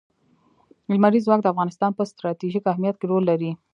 لمریز ځواک د افغانستان په ستراتیژیک اهمیت کې رول لري.